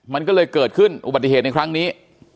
มันก็เลยเกิดขึ้นอุบัติเหตุในครั้งนี้